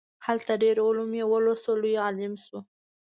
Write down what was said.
هلته ډیر علوم یې ولوستل لوی عالم شو.